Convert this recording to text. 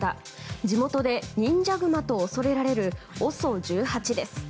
地元で忍者グマと恐れられるＯＳＯ１８です。